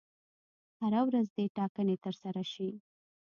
هره ورځ دي ټاکنې ترسره شي.